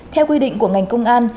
theo quy định của ngành công an